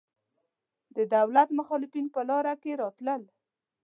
د دولت مخالفین په لاره کې راوتل.